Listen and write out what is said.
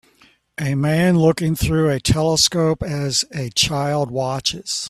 A man looking through a telescope as a child watches